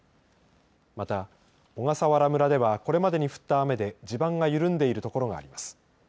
また小笠原村ではこれまでに降った雨で地盤が緩んでいる所があります。